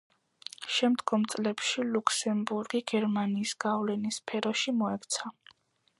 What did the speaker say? შემდგომ წლებში ლუქსემბურგი გერმანიის გავლენის სფეროში მოექცა.